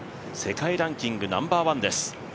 世界ランキングナンバーワンです。